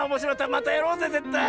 またやろうぜぜったい！